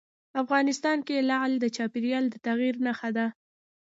افغانستان کې لعل د چاپېریال د تغیر نښه ده.